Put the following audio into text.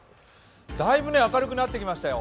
だいぶ明るくなってきましたよ。